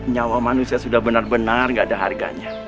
nyawa manusia sudah benar benar gak ada harganya